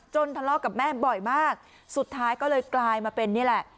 ทะเลาะกับแม่บ่อยมากสุดท้ายก็เลยกลายมาเป็นนี่แหละ